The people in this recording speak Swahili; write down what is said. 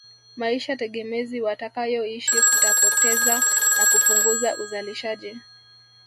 Maisha tegemezi watakayoishi kutapoteza na kupunguza uzalishaji